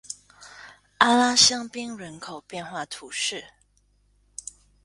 阿拉香槟人口变化图示